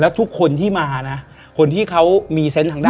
และยินดีต้อนรับทุกท่านเข้าสู่เดือนพฤษภาคมครับ